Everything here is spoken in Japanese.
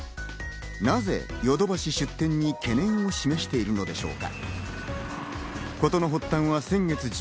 なぜヨドバシ出店に懸念を示しているのでしょうか？